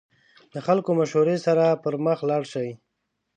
د خلکو مشورې سره پرمخ لاړ شئ.